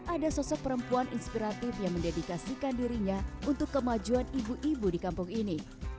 ada sosok perempuan inspiratif yang mendedikasikan dirinya untuk kemajuan ibu ibu di kampung ini